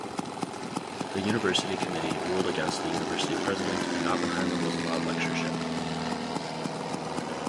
The university committee ruled against the university president and Oppenheimer was allowed lectureship.